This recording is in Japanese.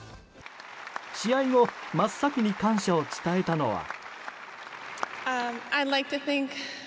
試合後真っ先に感謝を伝えたのは。